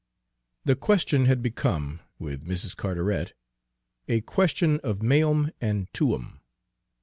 The question had become, with Mrs. Carteret, a question of meum and tuum.